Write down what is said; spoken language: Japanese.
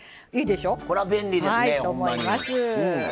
これは便利ですねほんまに。